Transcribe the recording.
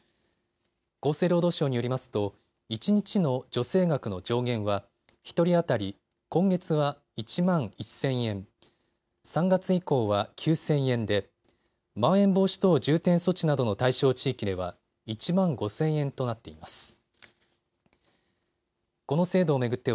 厚生労働省によりますと一日の助成額の上限は１人当たり今月は１万１０００円、３月以降は９０００円でまん延防止等重点措置などの対象地域では１万５０００円となっています。